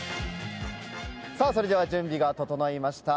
それでは準備が整いました。